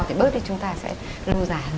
thì bớt thì chúng ta sẽ lưu giá